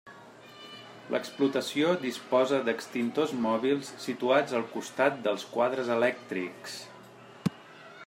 L'explotació disposa d'extintors mòbils situats al costat dels quadres elèctrics.